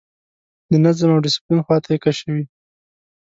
د نظم او ډسپلین خواته یې کشوي.